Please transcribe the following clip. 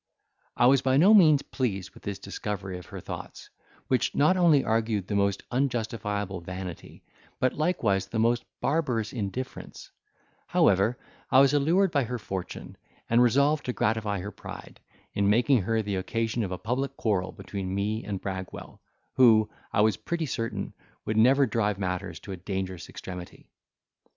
I was by no means pleased with this discovery of her thoughts, which not only argued the most unjustifiable vanity, but likewise the most barbarous indifference; however, I was allured by her fortune, and resolved to gratify her pride, in making her the occasion of a public quarrel between me and Bragwell, who, I was pretty certain, would never drive matters to a dangerous extremity.